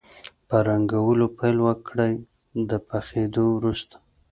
په رنګولو پیل وکړئ د پخېدو وروسته.